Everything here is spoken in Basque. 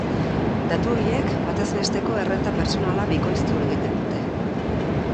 Datu horiek batez besteko errenta pertsonala bikoiztu egiten dute.